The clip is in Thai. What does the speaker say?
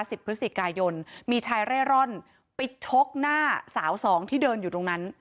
พฤศจิกายนมีชายเร่ร่อนไปชกหน้าสาวสองที่เดินอยู่ตรงนั้น